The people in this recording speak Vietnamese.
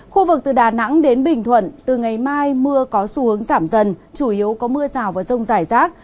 khu vực từ đà nẵng đến bình thuận từ ngày mai mưa có xu hướng giảm dần chủ yếu có mưa rào và rông rải rác